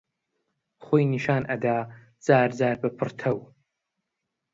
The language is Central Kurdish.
خۆی نیشان ئەدا جارجار بە پڕتەو